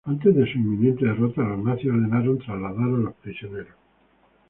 Antes de su inminente derrota, los nazis ordenaron trasladar a los prisioneros.